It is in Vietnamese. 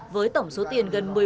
với tổng số tiền gần